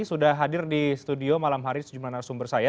sudah hadir di studio malam hari tujuh jum'at nasumber saya